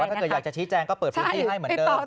ถ้าเกิดอยากจะชี้แจงก็เปิดพื้นที่ให้เหมือนเดิม